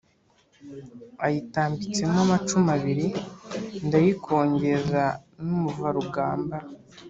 Ayitambitsemo amacumu abili, ndayikongeza n’umuvarugamba